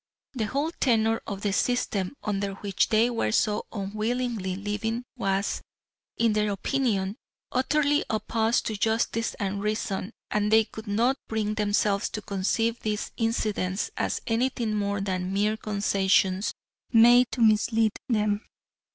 The whole tenor of the system under which they were so unwillingly living was, in their opinion, utterly opposed to justice and reason, and they could not bring themselves to conceive these incidents as anything more than mere concessions made to mislead them.